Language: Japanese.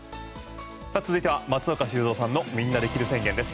続いては松岡修造さんのみんなできる宣言です。